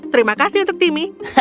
terima kasih untuk timmy